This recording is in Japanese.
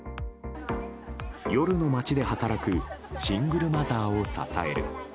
夜の街で働くシングルマザーを支える。